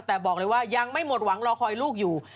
แต่บอกเลยว่ายังไม่หมดหวังรอคอยลูกอยู่